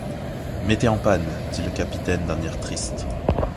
Mettez en panne, dit le capitaine d’un air triste.